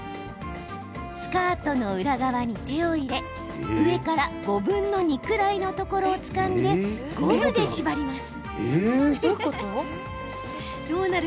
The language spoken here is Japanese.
スカートの裏側に手を入れ上から５分の２くらいのところをつかんで、ゴムで縛ります。